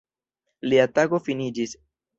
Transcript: Lia tago finiĝis.